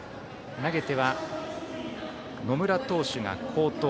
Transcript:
投げては、野村投手が好投。